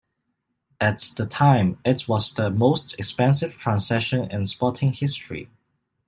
At the time, it was the most expensive transaction in sporting history.